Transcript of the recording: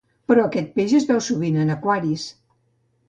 Però aquest peix es veu sovint en aquaris.